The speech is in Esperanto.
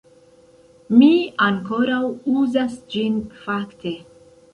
Mi ankoraŭ uzas ĝin fakte